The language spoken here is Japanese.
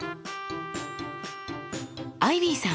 アイビーさん